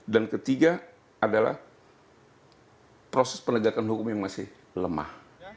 dan ketiga adalah proses penerjakan hukum yang masih lemah